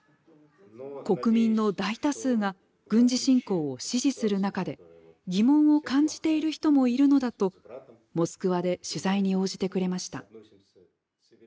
国民の大多数が軍事侵攻を支持する中で疑問を感じている人もいるのだとモスクワで取材に応じてくれました。